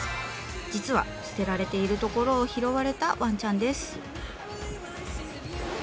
実は捨てられているところを拾われたわんちゃんです。